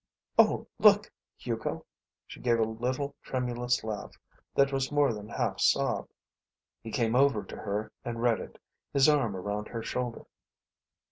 "Oh, look, Hugo!" She gave a little tremulous laugh that was more than half sob. He came over to her and read it, his arm around her shoulder.